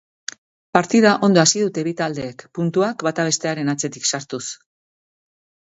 Partida ondo hasi dute bi taldeek, puntuak bata bestearen atzetik sartuz.